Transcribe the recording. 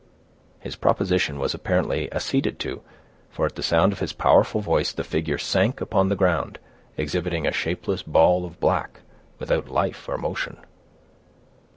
His proposition was apparently acceded to; for, at the sound of his powerful voice, the figure sank upon the ground, exhibiting a shapeless ball of black, without life or motion.